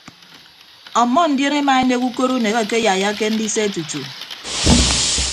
Ọmmọ ndion emaenek ukot unek akeyaiyake ndise tutu.